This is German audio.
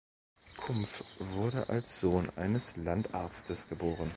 Kumpf wurde als Sohn eines Landarztes geboren.